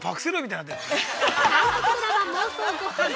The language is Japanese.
◆韓国ドラマ妄想ごはん。